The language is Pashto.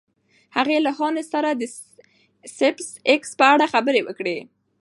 هغې له هانس سره د سپېساېکس په اړه خبرې وکړې.